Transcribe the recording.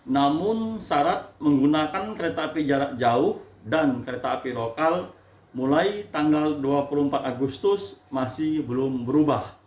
namun syarat menggunakan kereta api jarak jauh dan kereta api lokal mulai tanggal dua puluh empat agustus masih belum berubah